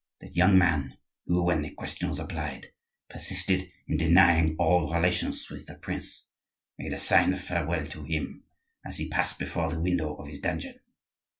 That young man, who, when the question was applied, persisted in denying all relations with the prince, made a sign of farewell to him as he passed before the window of his dungeon.